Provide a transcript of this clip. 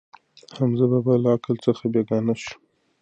حمزه بابا له عقل څخه بېګانه شو.